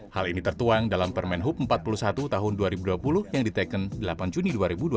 hal ini tertuang dalam permen hub empat puluh satu tahun dua ribu dua puluh yang diteken delapan juni dua ribu dua puluh